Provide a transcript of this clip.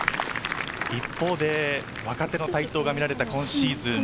一方で若手の台頭が見られた今シーズン。